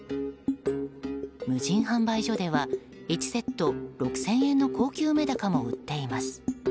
無人販売所では１セット６０００円の高級メダカも売っています。